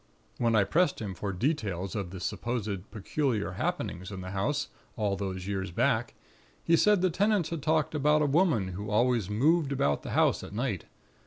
When I pressed him for details of the supposed peculiar happenings in the house, all those years back, he said the tenants had talked about a woman who always moved about the house at night.